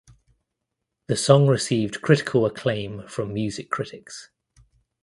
The song received critical acclaim from music critics.